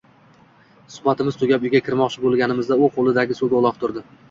Suhbatimiz tugab uyga kirmoqchi bo‘lganimizda, u qo‘lidagini suvga uloqtirdi